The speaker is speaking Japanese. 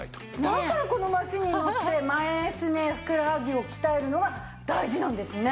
だからこのマシンにのって前すねふくらはぎを鍛えるのが大事なんですね。